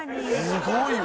すごいわ！